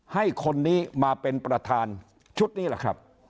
ให้คนนี้มาเป็นประธานชุดนี้แหละครับ